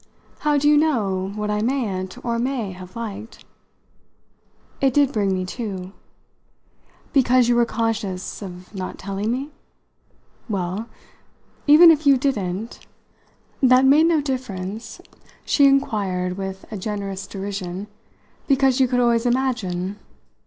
"How do you know what I mayn't, or may, have liked?" It did bring me to. "Because you were conscious of not telling me? Well, even if you didn't !" "That made no difference," she inquired with a generous derision, "because you could always imagine?